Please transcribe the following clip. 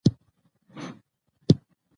او دمشاعرې په باب تبصرې کول